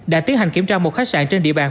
đã tiến hành kiểm tra một khách sạn trên địa bàn